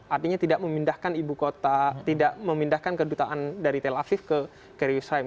artinya tidak memindahkan ibu kota tidak memindahkan kedutaan dari tel aviv ke yerusalem